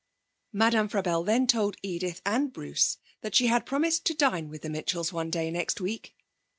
Madame Frabelle then told Edith and Bruce that she had promised to dine with the Mitchells one day next week.